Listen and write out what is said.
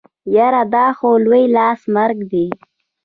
يره دا خو لوی لاس مرګ دی.